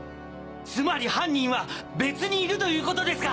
つまり犯人は別にいるということですか？